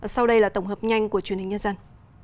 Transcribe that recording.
sau đây là tổng hợp nhanh của truyền hình nhân dân